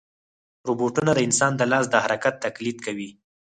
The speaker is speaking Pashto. روبوټونه د انسان د لاس د حرکت تقلید کوي.